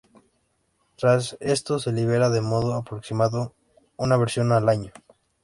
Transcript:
Tras esto se libera de modo aproximado una versión al año.